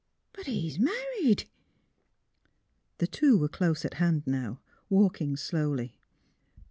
But he's married. ..." The two were close at hand now, walking slowly.